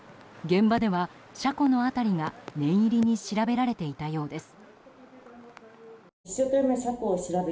現場では、車庫の辺りが念入りに調べられていたようです。